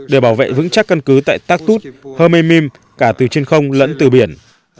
để bảo vệ vững chắc căn cứ tại takhtut hormemim cả từ trên không lẫn từ biển